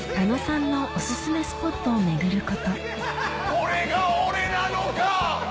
これが俺なのか！